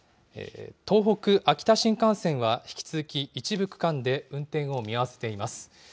東北・秋田新幹線は引き続き一部区間で運転を見合わせています。